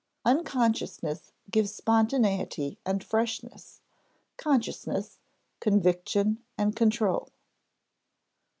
Unconsciousness gives spontaneity and freshness; consciousness, conviction and control.